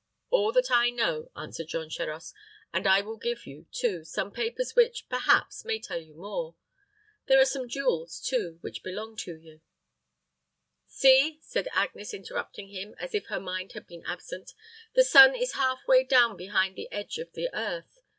"All that I know," answered Jean Charost; "and I will give you, too, some papers which, perhaps, may tell you more. There are some jewels, too, which belong to you " "See," said Agnes, interrupting him, as if her mind had been absent, "the sun is half way down behind the edge of the earth.